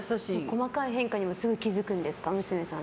細かい変化にもすぐ気付くんですか、娘さん。